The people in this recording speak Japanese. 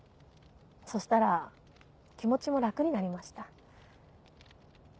そしたら気持ちも楽になりました。